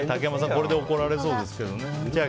これで怒られそうです。